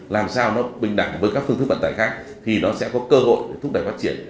làm sao nó bình đẳng với các phương thức vận tải khác thì nó sẽ có cơ hội để thúc đẩy phát triển